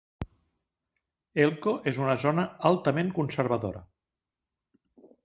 Elko és una zona altament conservadora.